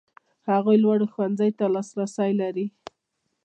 هغوی لوړو ښوونځیو ته لاسرسی لري.